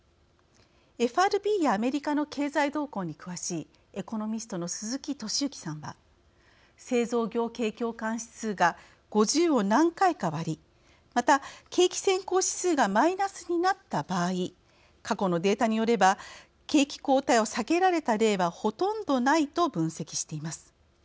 ＦＲＢやアメリカの経済動向に詳しいエコノミストの鈴木敏之さんは「製造業景況感指数が５０を何回か割りまた、景気先行指数がマイナスになった場合過去のデータによれば景気後退を避けられた例はほとんどない」と分析しています。